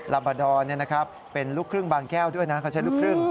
ลาบาดอร์เป็นลูกครึ่งบางแก้วด้วยนะเขาใช้ลูกครึ่ง